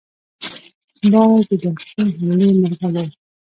باز د دقیقې حملې مرغه دی